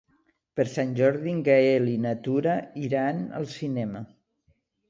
Per Sant Jordi en Gaël i na Tura iran al cinema.